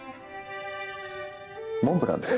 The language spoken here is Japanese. モンブランで。